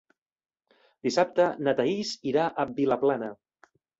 Dissabte na Thaís irà a Vilaplana.